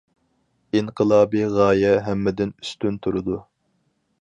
ئىنقىلابىي غايە ھەممىدىن ئۈستۈن تۇرىدۇ.